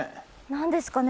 何ですかね？